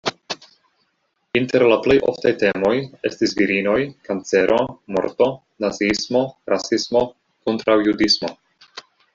Inter la plej oftaj temoj estis virinoj, kancero, morto, naziismo, rasismo, kontraŭjudismo.